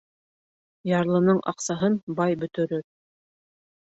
Ярлының аҡсаһын бай бөтөрөр.